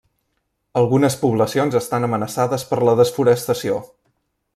Algunes poblacions estan amenaçades per la desforestació.